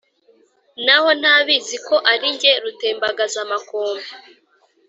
Naho ntibaziko ari jye Rutembagazamakombe.